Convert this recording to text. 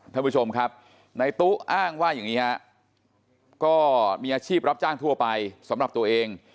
ท่านผู้ชมครับในตู้อ้างว่าอย่างนี้ฮะก็มีอาชีพรับจ้างทั่วไปสำหรับตัวเอง